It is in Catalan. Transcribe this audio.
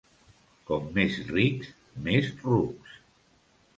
Com més rics, més rucs.